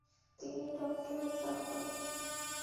তিনি ডক্টরেট লাভ করেন।